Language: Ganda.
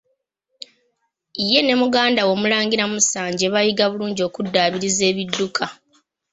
Ye ne muganda we Omulangira Musanje baayiga bulungi okuddaabiriza ebidduka.